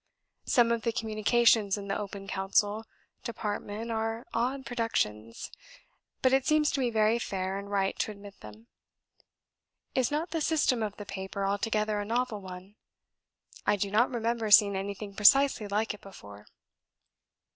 Some of the communications in the 'Open Council' department are odd productions; but it seems to me very fair and right to admit them. Is not the system of the paper altogether a novel one? I do not remember seeing anything precisely like it before.